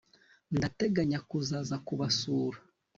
ndateganya kuzaza kubasura